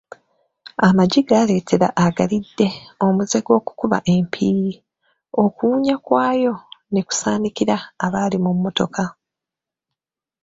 Amagi galeetera agalidde omuze gw’okukuba empiiyi, okuwunya kwayo ne kusaanikira abali mu mmotoka.